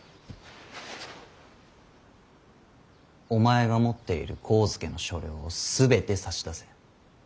お前が持っている上野の所領を全て差し出せ。